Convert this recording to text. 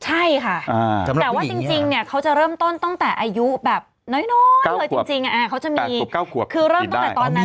ใช่ค่ะแต่ว่าจริงเนี่ยเขาจะเริ่มต้นตั้งแต่อายุแบบน้อยเลยจริงอะเขาจะมี